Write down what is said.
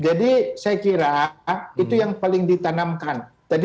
jadi saya kira itu yang paling ditanamkan